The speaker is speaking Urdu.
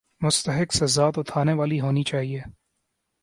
مستحق سزا تو تھانے والی ہونی چاہیے۔